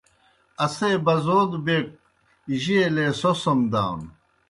اسے بَزَودوْ بیک جیلے سوسَم دانوْ۔